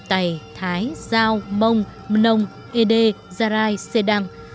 tày thái giao mông mnông ede gia rai xê đăng